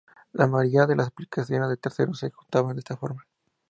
La mayoría de las aplicaciones de terceros se ejecutaban de esta forma.